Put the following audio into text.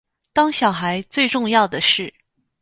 当小孩最重要的事